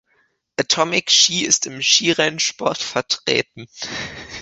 Atomic Ski ist im Skirennsport vertreten.